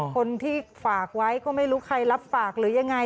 คนที่ฝากไว้ก็ไม่รู้ใครรับฝากหรือยังไง